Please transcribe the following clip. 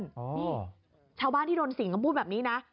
นี่ชาวบ้านที่โดนสิ่งเขาพูดแบบนี้นะ